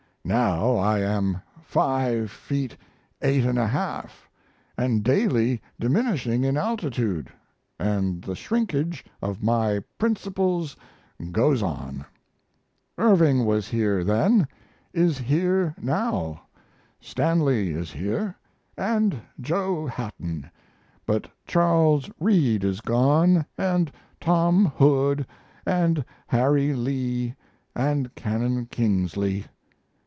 "Now I am 5 feet 8 1/2 and daily diminishing in altitude, and the shrinkage of my principles goes on .... Irving was here then, is here now. Stanley is here, and Joe Hatton, but Charles Reade is gone and Tom Hood and Harry Lee and Canon Kingsley.